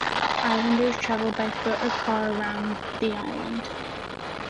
Islanders travel by foot or car around the island.